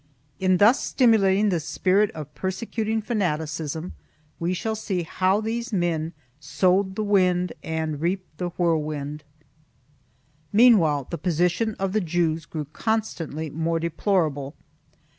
2 In thus stimulating the spirit of persecuting fanaticism we shall see how these men sowed the wind and reaped the whirlwind. Meanwhile the position of the Jews grew constantly more deplorable.